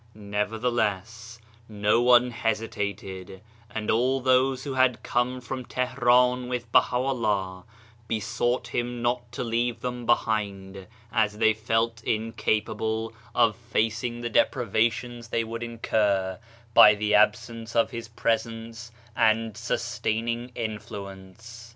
Nevertheless, no one hesitated, and all those who had come from Tihran with Baha'u'llah be sought him not to leave them behind, as they felt incapable of facing the depriva tions they would incur by the absence of his presence and sustaining influence.